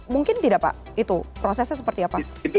mungkin tidak pak itu prosesnya seperti apa